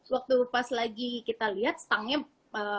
waktu pas lagi kita lihat stangnya